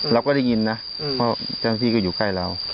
เราก็ได้ยินนะเพราะเจ้าหน้าที่ก็อยู่ใกล้เรา